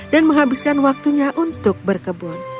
menghabiskan waktunya untuk berkebun